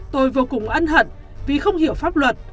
tôi vô cùng ân hận vì không hiểu pháp luật